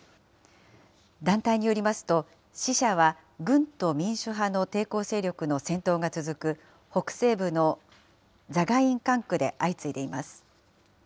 団体によりますと、死者は軍と民主派の抵抗勢力の戦闘が続く、北西部のザガイン管区で相次いでいます。